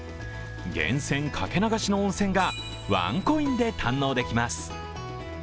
源泉掛け流しの温泉がワンコインで堪能できます。